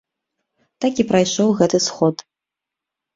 Так і прайшоў гэты сход.